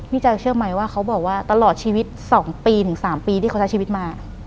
นี่จะเชื่อมั้ยว่าเขาบอกว่าตลอดชีวิตสองปีถึงสามปีที่เขาใช้ชีวิตมา